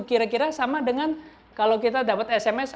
kira kira sama dengan kalau kita dapat sms